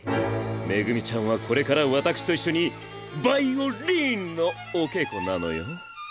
恵ちゃんはこれから私と一緒にヴァイオリンのお稽古なのよ。